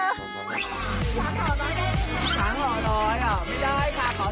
สามห่อน้อยได้มั้ยคะ